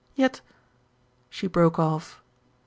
"Yet" She broke off.